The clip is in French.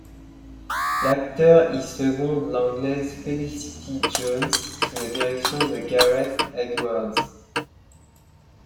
L'acteur y seconde l'anglaise Felicity Jones, sous la direction de Gareth Edwards.